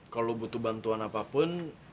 kalau butuh bantuan apapun